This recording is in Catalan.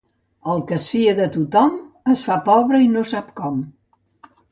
El que es fia de tothom, es fa pobre i no sap com.